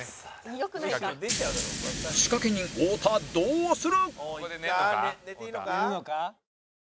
仕掛け人太田どうする！？